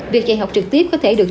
việc dạy học trực tiếp có thể được